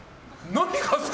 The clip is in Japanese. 何がですか？